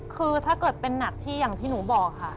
คือถ้าเกิดเป็นหนักที่อย่างที่หนูบอกค่ะ